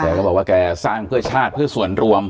ก็บอกว่าแกสร้างเพื่อชาติเพื่อส่วนรวม